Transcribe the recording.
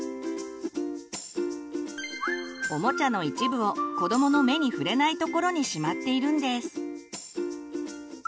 おもちゃの一部を子どもの目に触れないところにしまっているんです。